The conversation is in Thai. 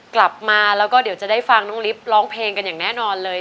กลับมาแล้วก็เดี๋ยวจะได้ฟังน้องลิฟต์ร้องเพลงกันอย่างแน่นอนเลย